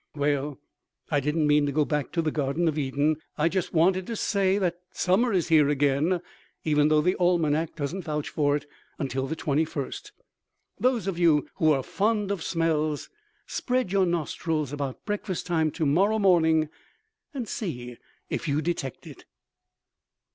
Well, I didn't mean to go back to the Garden of Eden; I just wanted to say that summer is here again, even though the almanac doesn't vouch for it until the 21st. Those of you who are fond of smells, spread your nostrils about breakfast time tomorrow morning and see if you detect it.